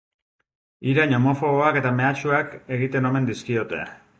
Irain homofoboak eta mehatxuak egiten omen dizkiote.